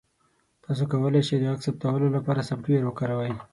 تاسو کولی شئ د غږ ثبتولو لپاره سافټویر وکاروئ.